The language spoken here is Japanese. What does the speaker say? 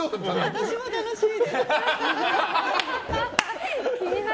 私も楽しいです。